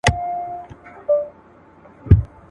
پلرونو یې په وینو رنګولي ول هډونه ..